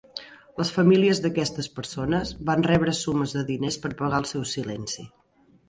Les famílies d'aquestes persones van rebre sumes de diners per pagar el seu silenci.